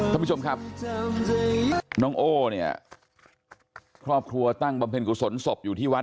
ท่านผู้ชมครับน้องโอ้เนี่ยครอบครัวตั้งบำเพ็ญกุศลศพอยู่ที่วัด